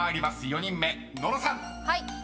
４人目野呂さん］